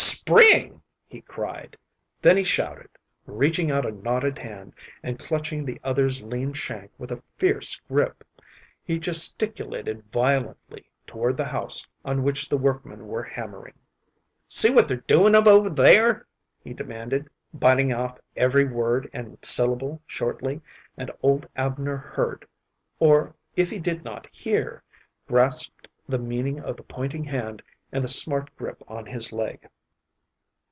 "Spring!" he cried. Then he shouted, reaching out a knotted hand, and clutching the other's lean shank with a fierce grip. He gesticulated violently toward the house on which the workmen were hammering. "See what they're doin' of over there?" he demanded, biting off every word and syllable shortly, and old Abner heard, or, if he did not hear, grasped the meaning of the pointing hand and the smart grip on his leg.